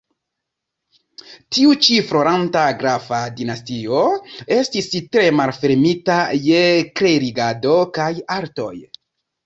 Tiu ĉi floranta grafa dinastio estis tre malfermita je klerigado kaj artoj.